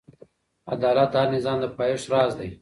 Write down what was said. عدالت د هر نظام د پایښت راز دی.